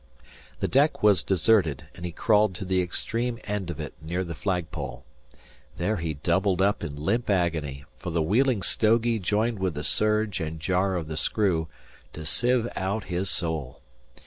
The deck was deserted, and he crawled to the extreme end of it, near the flag pole. There he doubled up in limp agony, for the Wheeling "stogie" joined with the surge and jar of the screw to sieve out his soul.